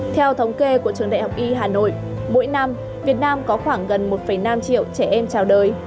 theo thống kê của trường đại học y hà nội mỗi năm việt nam có khoảng gần một năm triệu trẻ em trào đời